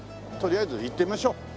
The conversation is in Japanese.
とりあえず行ってみましょう。